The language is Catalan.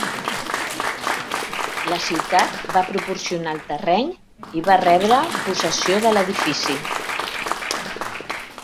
La ciutat va proporcionar el terreny i va rebre possessió de l'edifici.